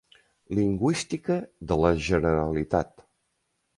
Lingüística de la Generalitat.